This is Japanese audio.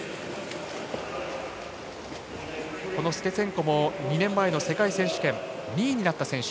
ステツェンコも２年前の世界選手権２位になった選手。